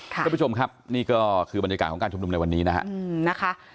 คุณผู้ชมครับนี่ก็คือบรรยากาศของการชุมนุมในวันนี้นะครับ